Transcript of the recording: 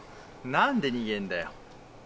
何で逃げんだよ？